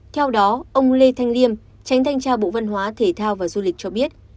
theo đó ông lê thanh liêm tránh thanh tra bộ văn hóa thể thao và du lịch cho biết